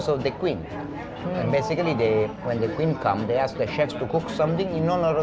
sebenarnya itu merah putih dan merah